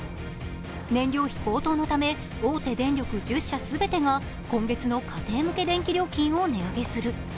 燃料費高騰のため大手電力１０社すべてが今月の家庭向け電気料金を値上げする。